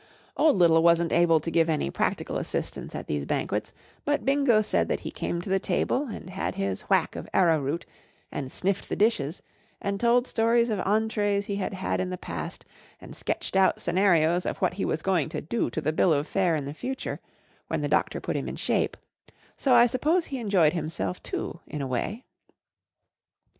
Old Little wasn't able to give any prac¬ tical assist¬ ance at these banquets, but Bingo said that he came to the table and had his whack of ar¬ rowroot, and sniffed the dishes* and told stories of entries he had had in the past, and sketched out scenarios of what he was going to do to the bill of fare in the future, when t h e doctor put him in shape; so I suppose he enjoyed himself, too, in a wa v